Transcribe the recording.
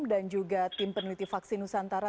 dan juga tim peneliti vaksin nusantara